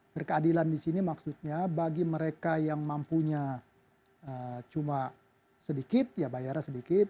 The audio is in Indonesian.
berkeadilan di sini maksudnya bagi mereka yang mampunya cuma sedikit ya bayarnya sedikit